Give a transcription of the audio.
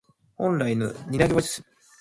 本来の担ぎ技が出ました。